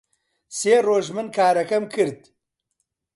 سێ ڕۆژ من کارەکەم کرد